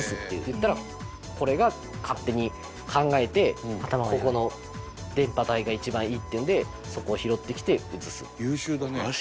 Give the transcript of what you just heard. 言ったらこれが勝手に考えてここの電波帯が一番いいっていうんでそこを拾ってきて映す。